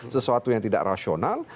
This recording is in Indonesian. sesuatu yang tidak rasional